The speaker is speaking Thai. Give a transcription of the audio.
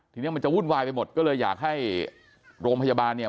ทีนี้มันจะวุ่นวายไปหมดก็เลยอยากให้โรงพยาบาลเนี่ย